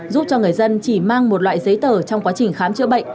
giúp cho người dân chỉ mang một loại giấy tờ trong quá trình khám chữa bệnh